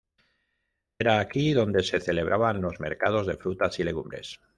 Era aquí donde se celebraban los mercados de frutas y legumbres.